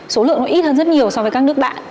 số lượng nó ít hơn rất nhiều so với các nước bạn